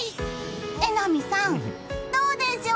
榎並さん、どうでしょう？